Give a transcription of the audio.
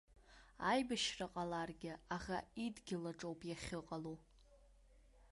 Аибашьра ҟаларгьы аӷа идгьыл аҿоуп иахьыҟало!